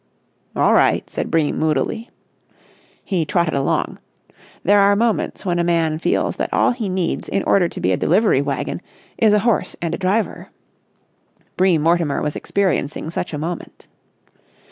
"All right," said Bream moodily. He trotted along. There are moments when a man feels that all he needs in order to be a delivery wagon is a horse and a driver. Bream Mortimer was experiencing such a moment.